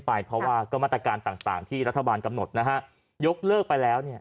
ไปเพราะว่าก็มาตรการต่างต่างที่รัฐบาลกำหนดนะฮะยกเลิกไปแล้วเนี่ย